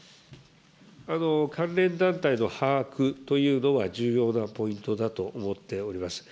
関連団体の把握というのは重要なポイントだと思っております。